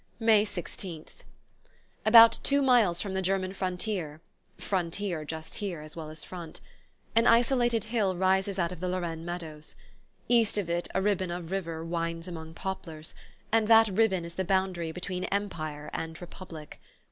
May 16th. About two miles from the German frontier (frontier just here as well as front) an isolated hill rises out of the Lorraine meadows. East of it, a ribbon of river winds among poplars, and that ribbon is the boundary between Empire and Republic.